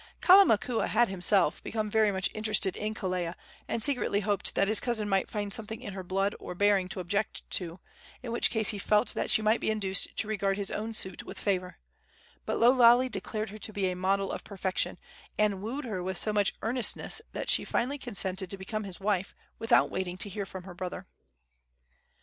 Kalamakua had himself become very much interested in Kelea, and secretly hoped that his cousin might find something in her blood or bearing to object to, in which case he felt that she might be induced to regard his own suit with favor; but Lo Lale declared her to be a model of perfection, and wooed her with so much earnestness that she finally consented to become his wife without waiting to hear from her brother.